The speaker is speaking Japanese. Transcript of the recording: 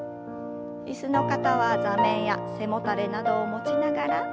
椅子の方は座面や背もたれなどを持ちながら。